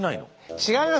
違います。